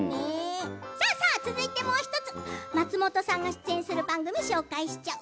続いてもう１つ松本さんが出演する番組紹介しちゃう。